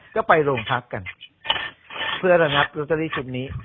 ก็ไปโรงพักกันเพื่อระงับลอตเตอรี่ชุดนี้